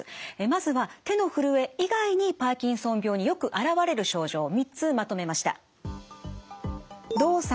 まずは手のふるえ以外にパーキンソン病によく現れる症状３つまとめました。